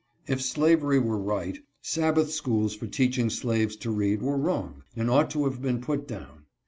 If slavery were right, Sabbath schools for teaching slaves to read were wrong, and ought to have been put down.